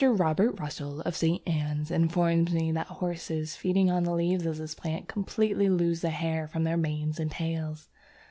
Robert Russell, of St. Ann's, informs me that horses feeding on the leaves of this plant completely lose the hair from their manes and tails.